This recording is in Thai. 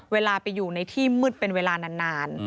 เวลาไปอยู่ในที่มืดเป็นเวลานาน